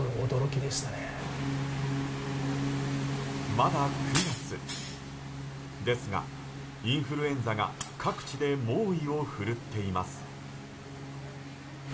まだ９月ですがインフルエンザが各地で猛威を振るっています。